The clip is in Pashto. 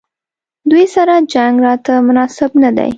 دوی سره جنګ راته مناسب نه دی.